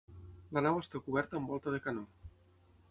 La nau està coberta amb volta de canó.